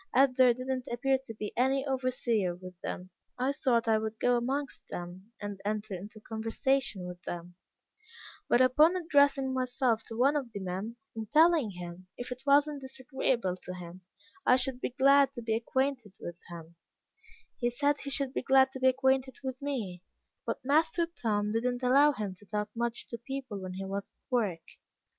As there did not appear to be any overseer with them, I thought I would go amongst them, and enter into conversation with them; but upon addressing myself to one of the men, and telling him, if it was not disagreeable to him, I should be glad to become acquainted with him, he said he should be glad to be acquainted with me, but master Tom did not allow him to talk much to people when he was at work.